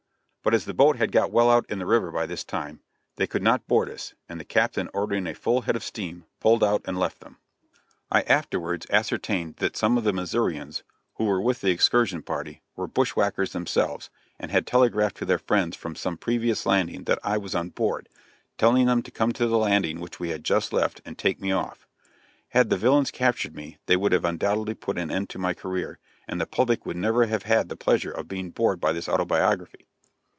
But as the boat had got well out in the river by this time, they could not board us, and the captain ordering a full head of steam, pulled out and left them. I afterwards ascertained that some of the Missourians, who were with the excursion party, were bushwhackers themselves, and had telegraphed to their friends from some previous landing that I was on board, telling them to come to the landing which we had just left, and take me off. Had the villains captured me they would have undoubtedly put an end to my career, and the public would never have had the pleasure of being bored by this autobiography.